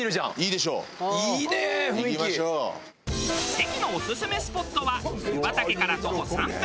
関のオススメスポットは湯畑から徒歩３分